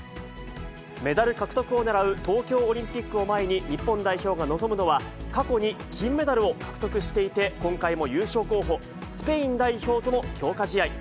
メダル獲得を狙う東京オリンピックを前に、日本代表が臨むのは、過去に金メダルを獲得していて、今回も優勝候補、スペイン代表との強化試合。